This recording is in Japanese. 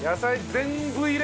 全部入れ。